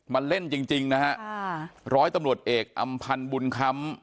มาเล่นจริงจริงนะฮะร้อยตำรวจเอกอำพันธ์บุญคำ